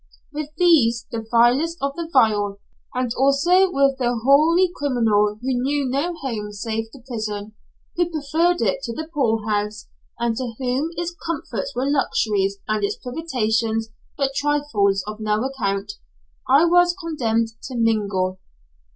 With these, the vilest of the vile, and also with the hoary criminal who knew no home save the prison, who preferred it to the poorhouse, and to whom its comforts were luxuries and its privations but trifles of no account, I was condemned to mingle.